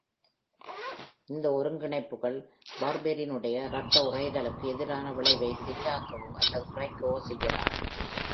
இந்த ஒருங்கிணைப்புகள் வார்ஃபரினுடைய ரத்த உறைதலுக்கு எதிரான விளைவை பெரிதாக்கவோ அல்லது குறைக்கவோ செய்யலாம்.